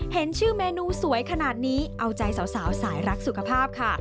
เห็นชื่อเมนูสวยขนาดนี้เอาใจสาวสายรักสุขภาพค่ะ